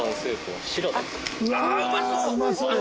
うわうまそう。